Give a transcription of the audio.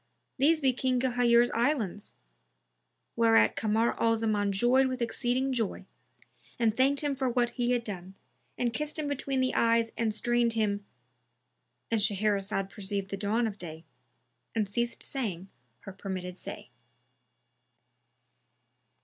these be King Ghayur's Islands;" whereat Kamar al Zaman joyed with exceeding joy and thanked him for what he had done, and kissed him between the eyes and strained him—And Shahrazad perceived the dawn of day and ceased saying her permitted say.